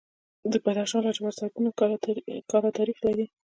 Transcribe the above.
د بدخشان لاجورد زرګونه کاله تاریخ لري